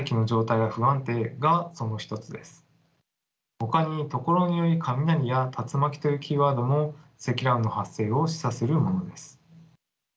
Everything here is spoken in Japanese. ほかに「ところにより雷」や「竜巻」というキーワードも積乱雲の発生を示唆するものです。